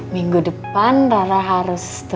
nungjiin parents gitu tuh itulah tuh